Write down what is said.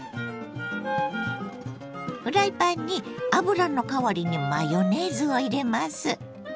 フライパンに油の代わりにマヨネーズを入れます。